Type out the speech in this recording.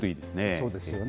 そうですよね。